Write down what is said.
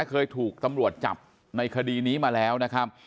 เคยถูกตำรวจจับในคดีนี้มาแล้วนะครับ